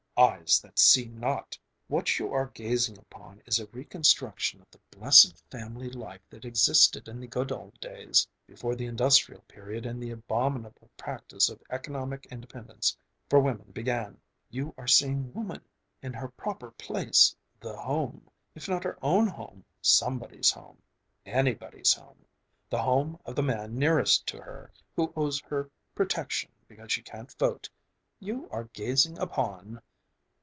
Eyes that see not! What you are gazing upon is a reconstruction of the blessed family life that existed in the good old days, before the industrial period and the abominable practice of economic independence for women began! You are seeing Woman in her proper place, the Home,... if not her own Home, somebody's Home, anybody's Home... the Home of the man nearest to her, who owes her protection because she can't vote. You are gazing upon..."